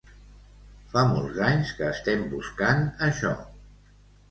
Fa molts anys que estem buscant això.